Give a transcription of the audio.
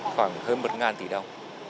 khoảng hơn một tỷ đồng